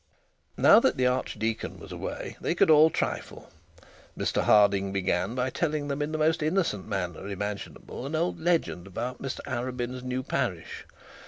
Now that the archdeacon was away, they could all trifle. Mr Harding began by telling them in the most innocent manner imaginable an old legend about Mr Arabin's new parish.